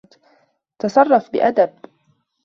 تصرف بأدب